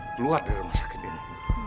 keluar dari rumah sakit ini